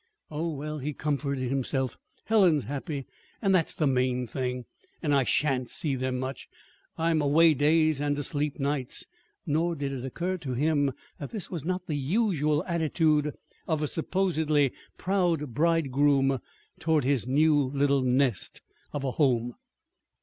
"Oh, well," he comforted himself. "Helen's happy and that's the main thing; and I shan't see them much. I'm away days and asleep nights." Nor did it occur to him that this was not the usual attitude of a supposedly proud bridegroom toward his new little nest of a home.